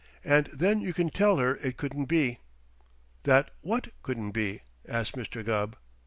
And then you can tell her it couldn't be." "That what couldn't be?" asked Mr. Gubb.